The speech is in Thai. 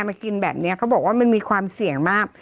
มากินแบบนี้เขาบอกว่ามันมีความเสี่ยงมาก